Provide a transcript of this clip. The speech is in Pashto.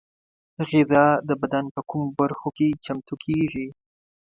غذا د بدن په کومو برخو کې چمتو کېږي؟